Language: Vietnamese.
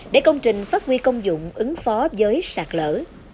để công trình phát huy công dụng ứng phó với sạc lỡ